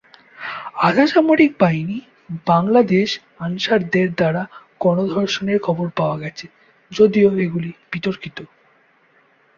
আধা সামরিক বাহিনী বাংলাদেশ আনসারদের দ্বারা গণ-ধর্ষণের খবর পাওয়া গেছে, যদিও এগুলি বিতর্কিত।